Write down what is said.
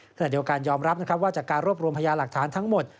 ขณะเดียวกันยอมรับนะครับว่าจากการรวบรวมพยาหลักฐานทั้งหมด